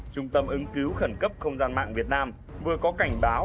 trung tâm ứng cứu khẩn cấp không gian mạng việt nam vừa có cảnh báo